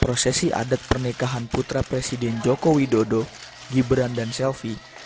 prosesi adat pernikahan putra presiden joko widodo gibran dan selvi